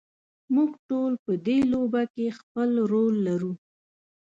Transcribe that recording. موږ ټول په دې لوبه کې خپل رول لرو.